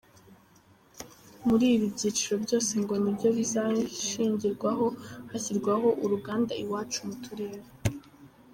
Muri ibi byiciro byose ngo nibyo bizashingirwaho hashyirwaho “Uruganda Iwacu mu turere.